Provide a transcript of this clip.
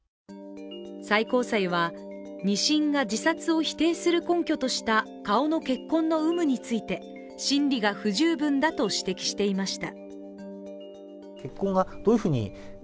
最高裁は、２審が自殺を否定する根拠とした顔の血痕の有無について審理が不十分だと指摘していました。